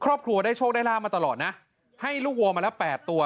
ครอบครัวได้โชคได้ลาบมาตลอดนะให้ลูกวัวมาละแปดตัว